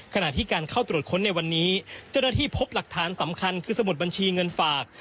ขณะที่การเข้าตรวจค้นในวันนี้เจ้าหน้าที่พบหลักฐานสำคัญคือสมุดบัญชีเงินฝาก